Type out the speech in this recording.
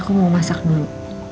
aku mau masak dulu